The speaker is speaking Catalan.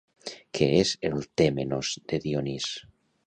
Què és el Tèmenos de Dionís?